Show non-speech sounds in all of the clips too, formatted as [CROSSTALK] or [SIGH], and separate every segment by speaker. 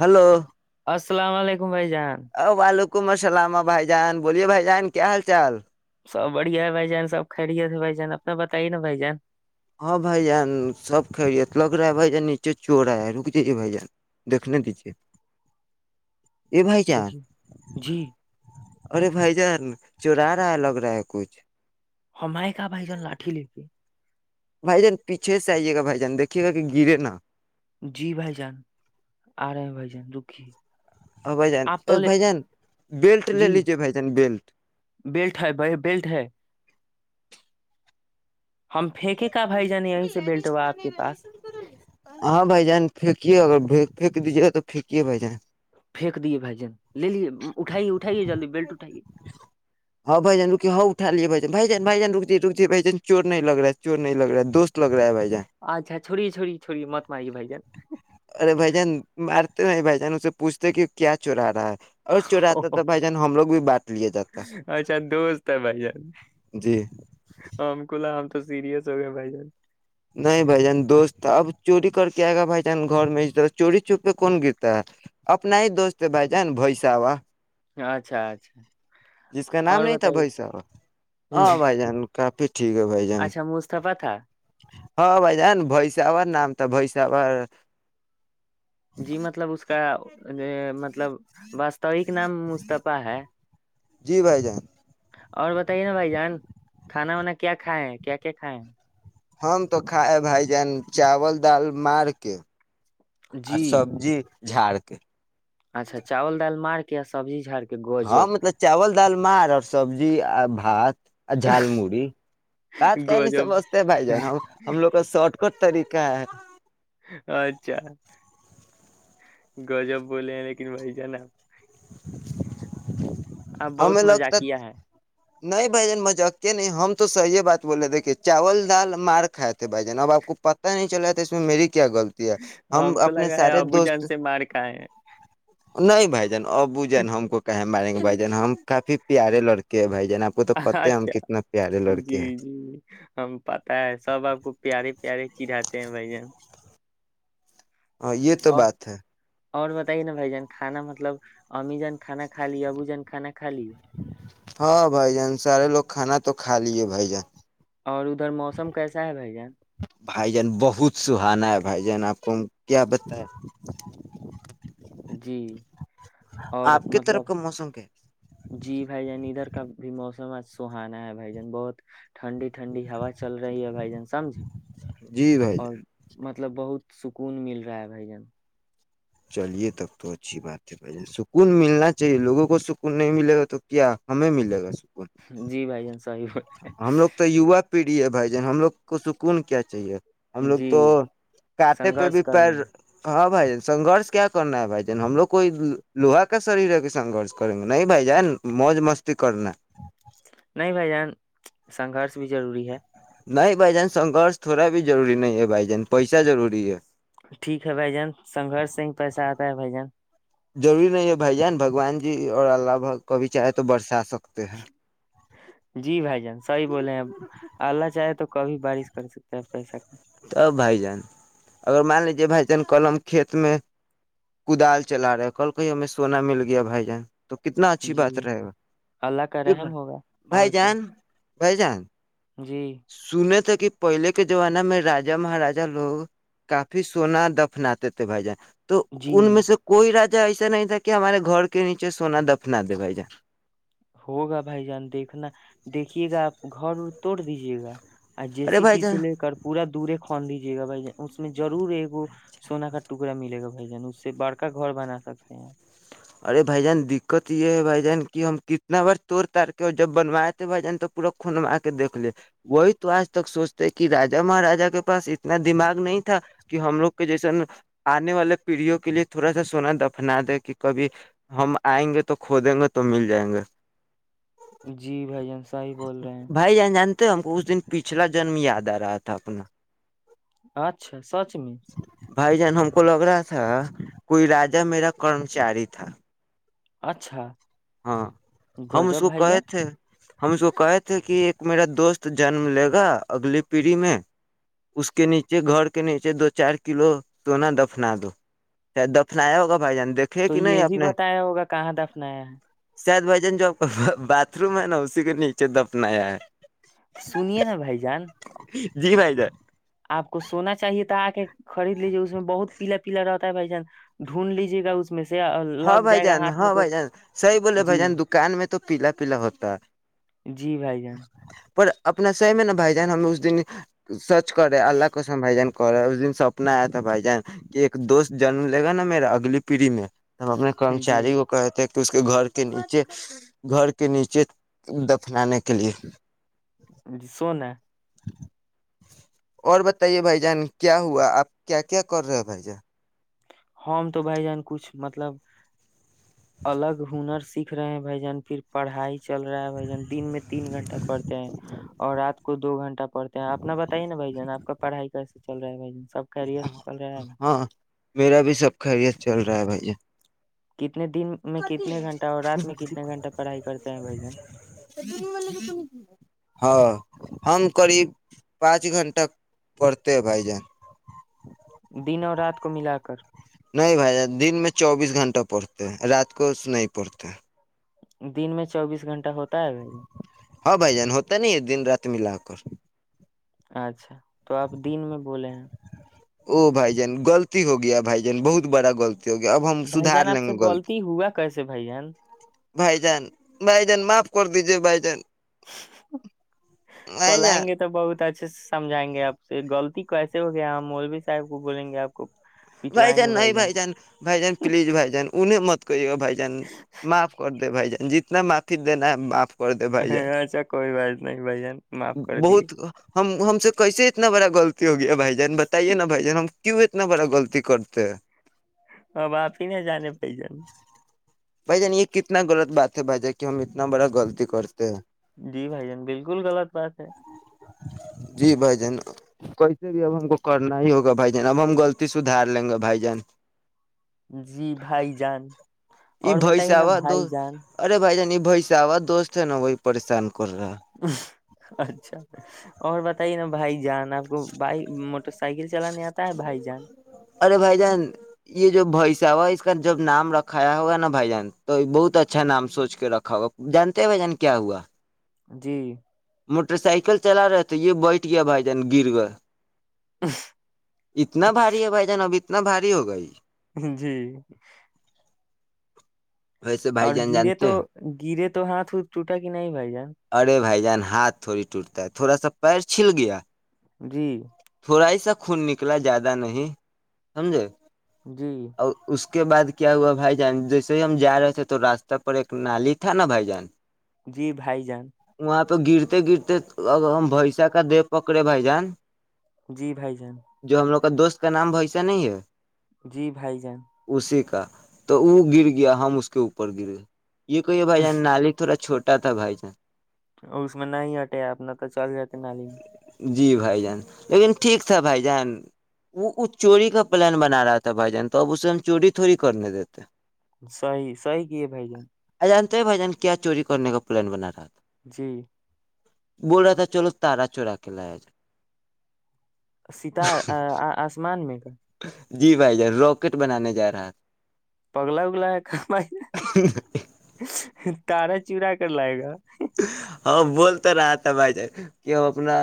Speaker 1: Hello [UNINTELLIGIBLE]
Speaker 2: السل علیکم [INAUDIBLE] ک بائی جان [UNINTELLIGIBLE]
Speaker 1: حلکم السلام بھائی جان بولیے بھائی جان کیا حال چال [UNINTELLIGIBLE]
Speaker 2: سب بڑھیا ہے بھائی جان سب کھرییے تھے بائی جان اپنا بتائیے نا بائی جان [UNINTELLIGIBLE]
Speaker 1: ہاں بائی جان سب خھریی لگ رہا ہے بائی جان نیچے چور آا رک جائیے بائی جان دیکنے دیجیے [UNINTELLIGIBLE] ا بھائی چار
Speaker 2: دیکھیے جی
Speaker 1: [UNINTELLIGIBLE] ارے بھائی جان چرا رہا ہے لگ رہا ہے کچھ [UNINTELLIGIBLE]
Speaker 2: ہمائے کا بھائی جن لاٹھی لپی [UNINTELLIGIBLE]
Speaker 1: بھائی جان پیچھے سے آئیے گا بھائی جان دیکھیے گا کہ گرے نا [UNINTELLIGIBLE]
Speaker 2: جی بھائی جان آرام بھائی جان رکھی [UNINTELLIGIBLE]
Speaker 1: اور بھ جان بھ جان بیلٹ لے
Speaker 2: جی
Speaker 1: لیجے بھائی جان بیلٹ [UNINTELLIGIBLE]
Speaker 2: بیلٹ ہے بھائی بیلٹ ہے ہم پھینکے کا بھائی جان یہیں سے بیلٹ ہوا آپ کے پاس
Speaker 1: ہاں بھائی جان پھیکے ا [INAUDIBLE] پھییکک دیجیے تو پھینکیے بھ جانیں [UNINTELLIGIBLE]
Speaker 2: پھینک دیے بھجن لے لیے اٹھائیے اٹھائیے جلدی بیلٹ اٹھائیے [UNINTELLIGIBLE]
Speaker 1: بائی جن بائی ج رکتی رکتی ب جن چور نہیں لگا ہے [UNINTELLIGIBLE] چور نہیں لگ رہا دوست لگ رہا ہے بھائی [UNINTELLIGIBLE]
Speaker 2: اچھا چھوڑی چھوڑی چھوڑی متمائی بھ جن [UNINTELLIGIBLE]
Speaker 1: تو نہیں بھائی جان اس سے پوچتے کہ کیا چورا رہا ہے [UNINTELLIGIBLE] اور چرتا تھا بھائی جان ہم لوگ بھی بانٹ لیا جاتا
Speaker 2: اچھا دوست ہے بھائی جان
Speaker 1: جی
Speaker 2: ہم کو لگا ہم تو سیریئس ہو گیا بھائی جان
Speaker 1: نہیں بھائی جان دوست اب چوری کر کے آئے گا بھائی جان گھر میں چوری چوپ پہ کون گرتا ہے اپنا ہی دوست ہے بھائی جان بیساوا
Speaker 2: اچھا اچھا
Speaker 1: جس کا نام
Speaker 2: اور
Speaker 1: نہیں تھا بھائی
Speaker 2: بتائیے
Speaker 1: صاحں
Speaker 2: جی،
Speaker 1: بھائی جان کافی ٹھیک ہے بھائی جان
Speaker 2: اچھا مصطفی تھا
Speaker 1: ہاں بھائی جان بھیساور نام تھا بھیساور
Speaker 2: جی مطلب اس کا اے مت مطلب واستوک نام مصطفی ہے
Speaker 1: جی بھائی جان
Speaker 2: اور بتائے نا بھائی جان کھانا وانا کیا کھائے ہیں کیا کیا کھائے ہیں
Speaker 1: ہم تو کھائے بھائی جان چاول دال مار کے آ
Speaker 2: جی
Speaker 1: سبزی جھڑ کے
Speaker 2: اچھا چاول دال مار کے سبزی جاڑ کے
Speaker 1: ہاں
Speaker 2: گوجب
Speaker 1: مطلب چاول دال مار اور سبزی ہات جھال متی بات کا نہیں
Speaker 2: گوجب
Speaker 1: سمجھتے بھائی جان ہم ہم لوگ کا شوٹ کٹ تریقہ ہے
Speaker 2: اچھا گجب بولے ہیں لیکن بھائی جانا
Speaker 1: ہمیں
Speaker 2: بہت مزہ
Speaker 1: لگتا
Speaker 2: کیا ہے
Speaker 1: نہیں بھائی جان مزاک کے نہیں ہم تو صحیح بات بولے دیکھیے چاول دال مار کھائے تھے بھائی جان اب آپ کو پتا نہیں چلا تھا اس میں میری کیا غلطی ہے ہم
Speaker 2: کو
Speaker 1: اپنے
Speaker 2: لگا ہے
Speaker 1: سارے
Speaker 2: ابو
Speaker 1: دوست
Speaker 2: جان سے مار کھائے ہیں
Speaker 1: نہیں بھائی جان ابو جان ہم کو کہے مارے گے بھائی جان جان ہم کافی پیارے لڑکے ہے بھائی جان آپ کو تو پتہ ہے ہم
Speaker 2: اچھا
Speaker 1: کتنا پیارے
Speaker 2: جی
Speaker 1: لڑکے
Speaker 2: جی ہم پتا ہے سب آپ کو پیارے پیارے چھڑاتے ہیں بھائی جان
Speaker 1: ہاں یہ تو
Speaker 2: اور
Speaker 1: بات ہے
Speaker 2: اور بتائیے نا بھائی جان کانا مطلب امی جان کھانا کھا لی ابو جان کھانا کھا لی
Speaker 1: ہاں بھائی جان سارے لوگ کھانا تو خالی بھائی جان
Speaker 2: اور ادھر موسم کیسا ہے بھائی جان
Speaker 1: بھائی جان بہت سہانا ہے بھائی جان آپ کو کیا بتائے
Speaker 2: جی اور
Speaker 1: آپ کی طرف
Speaker 2: مطلب
Speaker 1: کا موسم کیا
Speaker 2: جی بھائی جان ادھر کا بھی موسم آج سہانا ہے بھائی جان بہت ٹھنڈی ٹھنڈی ہوا چل رہی ہے بھائی جان سمجھی
Speaker 1: جی بھائی جان
Speaker 2: مطلب بہت سکون مل رہا ہے بھائی جن
Speaker 1: چلیے تب تو اچھی بات ہے بھائی ج سکون ملنا چاہیے لووں کو سکون نہیں ملے گا تو کیا ہمیں ملے گا سکون
Speaker 2: جی بھائی جان سے
Speaker 1: ہم لوگ تو ووا پیڑھی ہے بھائی جی ہم لوگ کو سکون کیا چاہیے ہم
Speaker 2: بول-
Speaker 1: لوگ
Speaker 2: جی
Speaker 1: تو کانٹے پہ
Speaker 2: سنگھرش
Speaker 1: بھی پر
Speaker 2: کرنا ہے
Speaker 1: بھائی ج سنگرش کیا کرنا ہے بھائی جان ہم لو کوئی لوہا کا شریر ہے کہ سنگرش کریں گے نہیں بھائی جان موج مستی کرنا ہے
Speaker 2: نہیں بھائی جان سنگرش بھی ضروری ہے
Speaker 1: نہیں بھائی جان سنگرش تھوڑا بھی روری نہیں ہے بھائی جان پیسہ ضروری ہے
Speaker 2: ٹھیک ہے بھائی جان سنگرش سے ہی پیسہ آتا بھ جان [INAUDIBLE]
Speaker 1: ضروری نہیں ہے بھائی جان بگوان جی اور اللہ بھ کبھی چاہے تو برسا سکتے ہیں
Speaker 2: جی بھائی جان صحیح بولے ہیں اللہ چاہے تو کبھی بارش کر سکتے ہے پس کا
Speaker 1: تب بھائی جان اگر مان لیجیے بھائی جان کل ہم کھیت میں کودال چلا رہے ہیں کل کہیے ہمیں سونا مل گیا بھائی جان تو کتنا اچھی بات
Speaker 2: جی
Speaker 1: رہے گا
Speaker 2: اللہ کا
Speaker 1: یہائی
Speaker 2: رحم ہوگا
Speaker 1: بھائی
Speaker 2: اور کیا
Speaker 1: جان بائی جان [INAUDIBLE]
Speaker 2: جی
Speaker 1: سنے تھ [UNINTELLIGIBLE] کہ پہلے کے زمانہ میں راا مہاراجا لوگ کافی سونا دفناتے تھے بھائی جان تو
Speaker 2: جی
Speaker 1: ان میں سے کوئی راج ایسا نہیں تھا کہ ہمارے گھر کے نیچے سونا دفنا دے بھائی جا
Speaker 2: ہوگا بھائی جان دیکھنا دیکھیے گا آپ گھر ا توڑ دیجیے گا اور جی
Speaker 1: ارے
Speaker 2: سی
Speaker 1: بھائی
Speaker 2: پیسی
Speaker 1: جان
Speaker 2: لے کر پورا دورے کھوون دیجیے گا بھائی ج اس میں ضرور ایک سونا کا ٹکڑا ملے گا بھائی جان اس سے بڑک گھر بنا سکتے ہیں
Speaker 1: ارے بھائی جان دقت یہ ہے بھائی جان کہ ہم کتنا بار توڑ تار کے اور جب بنوائے تھے بھائی جان تو پورا خون م کے دھ لے وہی تو آج تک سوچتے کہ راجا مہاراجا کے پاس اتنا دماغ نہیں تھا کہ ہم لوگ کے جیسا آنے والے پیڑھیوں کے لیے تھوڑا سا سونا دفنا دے کہ کبھی ہم آئیں گے تو کھ دیں گے تو مل جائیں گے
Speaker 2: جی بھائی جنس ہی بول رہے ہیں
Speaker 1: بھائی جان جانتے ہم کو اس دن پچھلا جنم یاد آ رہا تھا اپنا
Speaker 2: اچھاچا سچ میں [UNINTELLIGIBLE]
Speaker 1: بھائی جان ہم کو لگ رہا تھا کوئی راجا میرا کرمچاری تھا
Speaker 2: اچھا
Speaker 1: ہاں ہم اس
Speaker 2: گجب
Speaker 1: کو
Speaker 2: بھائی
Speaker 1: کہے
Speaker 2: جان
Speaker 1: تھے ہم اس کو کہے تھے کہ ایک میرا دوست جنم لے گا اگلی پیڑھی میں اس کے نیچے گھر کے نیچے دو چار کلو سونا دفنا دو چاہید دفنایا ہوگا بھائی جان دیکھے
Speaker 2: تو
Speaker 1: کہ نہیں
Speaker 2: یہ
Speaker 1: آپ
Speaker 2: بھی
Speaker 1: نے
Speaker 2: بتایا ہوگا کہاں دفنایا ہے
Speaker 1: شاید بھائی جان جو آپ کا باتھ روم ہے نا اسی کو نیچے دفنایا ہے
Speaker 2: سنے نا بائی جان
Speaker 1: جی بھائی جا
Speaker 2: آپ کو سونا چاہیے تھا آ کے خرید لیجیے اس بہت پیار ر بھائی جان ڈھونڈ لیجیے گا اس میں سے اور
Speaker 1: ہاں
Speaker 2: لگ
Speaker 1: بھ
Speaker 2: جائے گا
Speaker 1: جان
Speaker 2: ہاتھ میں
Speaker 1: ہاں
Speaker 2: تو
Speaker 1: بھائی جان صی بولے بھ
Speaker 2: جی
Speaker 1: جان دکان میں تو پیلا پیلا ہوتا
Speaker 2: جی بھائی جان
Speaker 1: پر اپنا سحی میں نا بھائی جان ہم اس دن سچ کر رہے ہیں اللہ کا سم بھائی جان کہ رہے اس دن سپنا آیا تھا بھائی جان کہ ایک دوست جنم لے گا نا میرا اگلی پیڑھی میں ہم اپنے
Speaker 2: جی
Speaker 1: کرمچاری کو کہتے تو اس کے گھر کے نیچے گھر کے نیچے دفنانے کے لیے
Speaker 2: جی سونا ہے
Speaker 1: اور بتائیے بھائی جان کیا ہوا آپ کیا کیا کر رہے ہو بھائی جان
Speaker 2: ہم تو بھائی جان کچھ مطلب الگ ہنر سیکھ رہے ہیں بھائی جان پھر پڑھائی چل رہا ہے بھائی جان دن میں تین گھنٹہ پڑھتے ہیں اور رات کو دو گھنٹہ پڑھتے ہیں اپنا بتائیے نا بھائی جان آپ کا پڑھائی کا چل رہا ہے بائی ج سب خیریت سے چل رہا ہے نا؟
Speaker 1: ہاں میرا بھی سب خیریت چل رہا ہے بھیا
Speaker 2: کتنے دن میں کتنے گھنٹہ اور رات میں کتنے گھنٹہ پڑھائی کرتے ہیں بھائی جان
Speaker 1: ہاں ہم قریب پانچ گھنٹہ پڑھتے ہیں بھائی جان
Speaker 2: دن اور رات کو ملا کر
Speaker 1: نہیں بھائی دن میں چوبیس گھنٹہ پڑھتے ہیں رات کو اس نہیں پڑتے
Speaker 2: دن میں چوبیس گھنٹہ ہوتا ہے بھائی
Speaker 1: ہاں بھائی جان ہوتا نہیں ہے دن رات ملا کر
Speaker 2: اچھا تو آپ دن میں بولے ہیں
Speaker 1: ا بھائی جان غلط ہو گیا بھائی جن بہت بڑا غلط ہو گیا اب ہم
Speaker 2: بھائی
Speaker 1: سدھار
Speaker 2: جان آپ
Speaker 1: لیں
Speaker 2: سے
Speaker 1: گے
Speaker 2: غلط ہوا کیسے بھائی جان
Speaker 1: بھائی جان بھائی جان معاف کر دیجے بھائی جان بھائی جان
Speaker 2: کولگی تو بہت اچ سمجھائیں گے آپ سے غلط کیسے ہو گیا مولوی صاحب کو بولیں گے آپ کو
Speaker 1: بھائی جان نہیں بھائی جان بھائی جان پلیز بھائی جان انہیں مت کریے گا بھائی جان معاف کر دے بھائی جان جتنا معافی دینا ہےاف
Speaker 2: ہ اچھا کوئی بات نہیں مگ بجن
Speaker 1: بہت ہم ہم سے کیسے اتنا بڑا غلط ہو گیا بھائی جن بتائیےا بھائی جان ہم کیوں اتنا بڑا غلطی کرتے ہیں
Speaker 2: ہ باپی ن جانے پی جان
Speaker 1: بھائی جان یہ کتنا غلط بات ہے بھائی جان کی ہم اتنا بڑا غلطی کرتے ہیں
Speaker 2: جی بھائی جان بالکل غلط بات ہے
Speaker 1: جی بھائی جان کیے بھی اب ہم کو کرنا ہی ہوگا بھائی جان اب ہم غلط سدھار لیں گے بھائی جان
Speaker 2: جی بھائی جان
Speaker 1: یہ
Speaker 2: اور
Speaker 1: بیس
Speaker 2: بتائیے نا
Speaker 1: آوا دو
Speaker 2: بھائی جان
Speaker 1: ارے ب ج بساا دوست ہے نا وہی پریشان کر رہا
Speaker 2: اچھا اور ب پ ہی نا بھائی جان آپ کو بائی سائیکل چلانے آتا ہے بھائی جان
Speaker 1: ارے بھائی جان یہ جو بائ اس کا جب نام رکھایا ہوا نا بھائی جان تو بہت اچھا نام سوچ کے رکھا ہوا جانتے بھائی جان کیا ہوا
Speaker 2: [INAUDIBLE]
Speaker 1: موٹر سائیکل چلا رہے تھ یہ بیٹھ گیا بھائی جان گر گئے اتنا بھاری ہے بھائی جان ابھی اتنا بھاری ہو گئی
Speaker 2: جی
Speaker 1: ویسے بھائی
Speaker 2: اور
Speaker 1: جان
Speaker 2: گرے تو
Speaker 1: جانتے ہیں
Speaker 2: گرے تو تو ہاتھ چوٹا کہ نہیں بائی جا
Speaker 1: ارے بھائی جان ہاتھ تھوڑی ٹوٹتا ہے تھوڑا سا پیر چھیھل گیا
Speaker 2: [INAUDIBLE]
Speaker 1: تھوڑا ہی سا خون نکلا زیادہ نہیں سمجھے
Speaker 2: جی
Speaker 1: اور اس کے بع کیا ہوا بھائی جان جیسے ہی ہم جا رہے تھے تو راستہ پر ایک نالی تھا نا بھائی جان
Speaker 2: جی بھائی جان
Speaker 1: تو گرتے گرتے ہم بھسا کا د پکڑے بھائی جان
Speaker 2: جی بھائی جان
Speaker 1: جو ہم لوگ دوست کا نام ویسا نہیں ہے
Speaker 2: جی بھائی جان
Speaker 1: اسی کا تو وہ گر گیا ہم اس کے اوپر گرئے یہ کہیے بھائی جان نالی تھوڑا چھوٹ تھا بھائی جا
Speaker 2: اس میں نہ ہٹے آب نہ تو چل جاتے نالی میں
Speaker 1: جی بھائی جان لیکن ٹھیک تھا بھائی جان وہ اس چوری کا پلان بنا رہا تھا بھائی جان تو اب اسے ہم چوری تھوڑی کرنے دیتے
Speaker 2: ساہ ساہی کی ہے بھائی جان
Speaker 1: جانتے بھائی جان کیا چوری کرنے کا پلان بنا رہا تھا [INAUDIBLE]
Speaker 2: جی
Speaker 1: بلاا تھا چلو تارا چورا کے لیا جائے [INAUDIBLE]
Speaker 2: ستار آسمان میں کا
Speaker 1: جی بھائی جان راکٹ بنانے جا رہا تھا
Speaker 2: پگلا اگلا ہے کام تار چرا کر لائے گا
Speaker 1: ہاں بول تو رہا تھا بھائی جان کہ وہ اپنا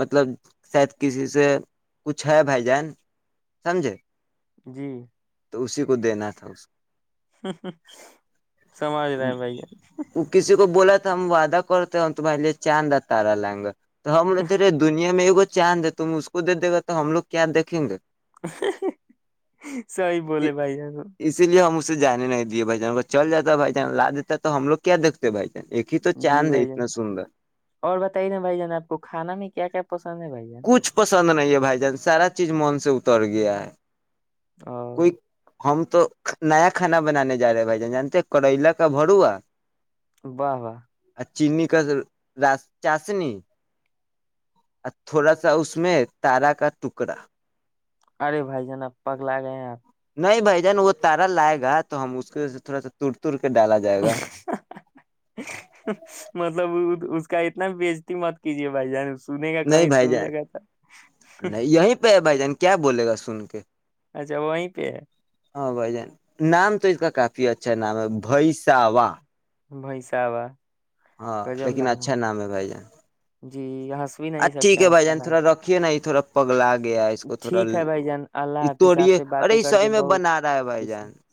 Speaker 1: مطلب شاید کسی سے کچھ ہے بھائی جان سمجھے
Speaker 2: جی
Speaker 1: تو اسی کو دینا تھا اس کو
Speaker 2: سمجھ رہ ہے بھائی
Speaker 1: سم وادا کرورتے ہوت مے چان اتارلہ ہنگ [INAUDIBLE] تو ہم نے تیرے دنیا میں چاند ہے تم اس کو دے دے گا تو ہم لوگ کیا دیکھیں گے
Speaker 2: [INAUDIBLE] سی بولے بھائی
Speaker 1: سے جان نہیں دیے بھائی ج کو چل جا ہے بھائی ج لا دیتا ہے تو ہم لوگ کیا دھتے ہیں بھائی ایک ہی تو
Speaker 2: جی
Speaker 1: چاند ہے
Speaker 2: بھائی جان
Speaker 1: اتنا سندر
Speaker 2: اور بتائیے نا بھائی جان آپ کو کھانا میں کیا کیا پسند ہے بھائی جان
Speaker 1: کچھ پسند نہیں ہے بھائی جان سارا چیز من سے بتر گ ہے [INAUDIBLE]
Speaker 2: ہ [INAUDIBLE]
Speaker 1: کوئی ہم تو نیا کھانا بنانے جا رہے ہیں بھائی جان جانتے کریلا کا بھروا
Speaker 2: واہ واہ
Speaker 1: چنی کا را چاسنی اور تھوڑا سا اس میں تارا کا ٹکڑا
Speaker 2: ارے بھائی نا پگ لا گئے ہیں آپ
Speaker 1: نہیں بھائی وہ تارا لائے گا تو ہم اس کو تھوڑا سا تڑ تور کے ڈالا جائے گا
Speaker 2: مطلب اس اس کا اتنا بۓ ازتی مت کیجیے بھائی جان سنے گا
Speaker 1: نہیں
Speaker 2: کہیں
Speaker 1: بھائی
Speaker 2: سن
Speaker 1: جان
Speaker 2: لگا تھا
Speaker 1: نہیں یہیں پہ ہے بھائی جان کیا بولے گا سن کے کے
Speaker 2: اچھا وہیں پہ ہے
Speaker 1: ہاں بھائی جان نام تو اس کا کافی اچھا نام ہے بیساب وہ
Speaker 2: بھیسا وہ
Speaker 1: ہاں لیکن اچھا نام ہے بھائی جان
Speaker 2: ہے جی ہنس بھی
Speaker 1: ا
Speaker 2: نہیں
Speaker 1: ٹھیک
Speaker 2: سکتے
Speaker 1: ہے
Speaker 2: ہیں
Speaker 1: بھائی
Speaker 2: اچھا
Speaker 1: جان
Speaker 2: نام
Speaker 1: تھوڑا رکھیے نا تھوڑا پگلا گیا اس کو تھوڑا
Speaker 2: ٹھیک ہے بھائی جان اللہ حافظ آپ
Speaker 1: توڑیے
Speaker 2: سے
Speaker 1: ارے
Speaker 2: باتیں کر
Speaker 1: سحی
Speaker 2: کے
Speaker 1: میں
Speaker 2: بہت
Speaker 1: بنا رہا ہے بھائی
Speaker 2: خوشی
Speaker 1: جان [INAUDIBLE]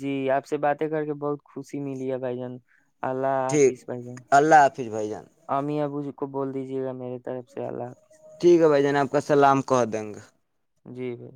Speaker 2: جی آپ سے باتیں کر کے بہت خوشی ملی ہے بھائی جان اللہ
Speaker 1: ٹھیک
Speaker 2: حافظ ب [INAUDIBLE] ج
Speaker 1: اللہ حافظ بھائی جان
Speaker 2: اب اس کو بول دیجیے گا میرے طرف سے اللہ
Speaker 1: ٹھیک ہے بھائی جان آپ کا سلام کہ دیں گے
Speaker 2: جی بھائی